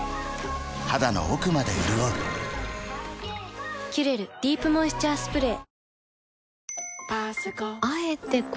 肌の奥まで潤う「キュレルディープモイスチャースプレー」